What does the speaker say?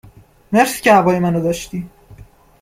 مرسی که هوای منو داشتی